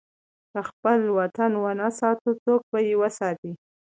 که خپل وطن ونه ساتو، څوک به یې وساتي؟